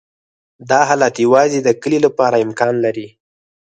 دا حالت یوازې د کلې لپاره امکان لري